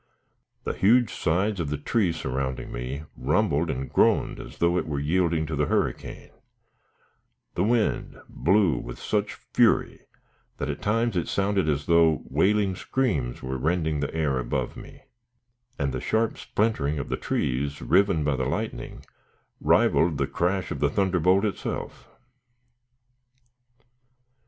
The huge sides of the tree surrounding me rumbled and groaned as though it were yielding to the hurricane; the wind blew with such fury that at times it sounded as though wailing screams were rending the air above me; and the sharp splintering of the trees riven by the lightning, rivaled the crash of the thunderbolt itself.